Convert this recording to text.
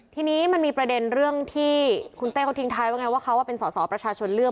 ทีนี้มันมีประเด็นเรื่องที่คุณเต้เขาทิ้งท้ายว่าไงว่าเขาเป็นสอสอประชาชนเลือก